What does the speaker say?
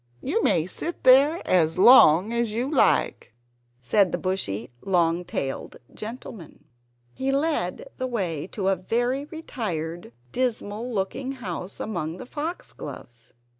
You may sit there as long as you like," said the bushy long tailed gentleman. He led the way to a very retired, dismal looking house amongst the foxgloves.